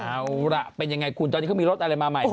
เอาล่ะเป็นยังไงคุณตอนนี้เขามีรถอะไรมาใหม่